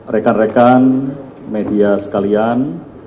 rekan rekan media sekalian